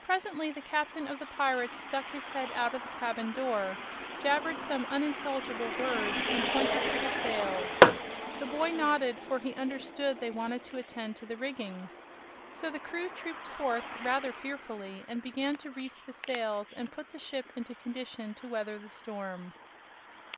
Presently the captain of the pirates stuck his head out of the cabin door, jabbered some unintelligible words and pointed to the sails. The boy nodded, for he understood they wanted to attend to the rigging. So the crew trooped forth, rather fearfully, and began to reef the sails and put the ship into condition to weather the storm.